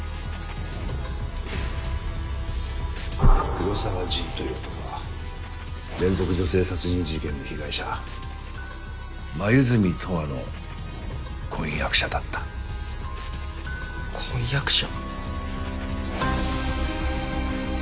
黒澤仁という男は連続女性殺人事件の被害者黛十和の婚約者だった婚約者。